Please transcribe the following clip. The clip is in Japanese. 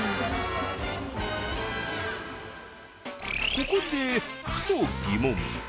ここで、ふと疑問。